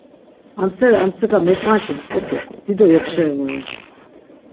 Amseri armtsika mekvanç̆i mtzk̆upi, dido yopşeri vore.